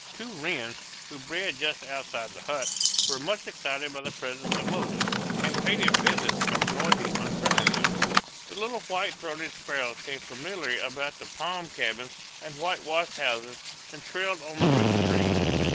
Two wrens, who bred just outside the hut, were much excited by the presence of Moses, and paid him visits of noisy unfriendliness. The little white throated sparrows came familiarly about the palm cabins and whitewashed houses and trilled on the rooftrees.